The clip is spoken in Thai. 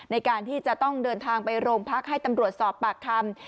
ในการที่จะต้องเดินทางไปโรงพักให้ตำรวจสอบปากคำ